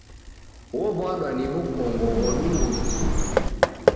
Wow'adwa niw'ukongogho dungumia.